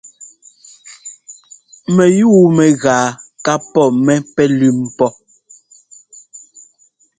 Mɛyúu mɛgaa ká pɔ́ mɛ pɛlʉ́m pɔ́.